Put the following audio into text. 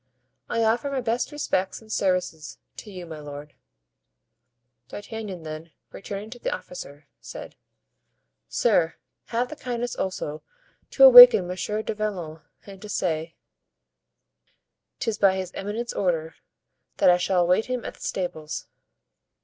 "I offer my best respects and services to you, my lord." D'Artagnan then, returning to the officer, said: "Sir, have the kindness also to awaken Monsieur du Vallon and to say 'tis by his eminence's order, and that I shall await him at the stables."